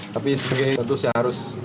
tapi sebagai tentu saya harus